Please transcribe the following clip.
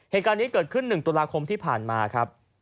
เหตุการณ์นี้เกิดขึ้น๑ตุลาคมที่ผ่านมาครับ